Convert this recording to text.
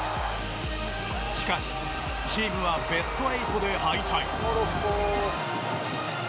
しかし、チームはベスト８で敗退。